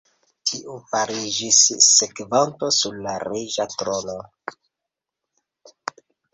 Tiu fariĝis sekvanto sur la reĝa trono.